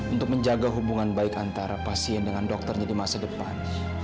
untuk menjaga hubungan baik antara pasien dengan dokternya di masa depan